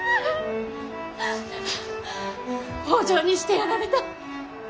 北条にしてやられた。